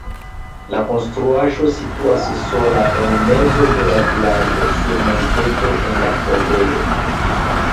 La konstruaĵo situas sola en mezo de la vilaĝo sur monteto en la tombejo.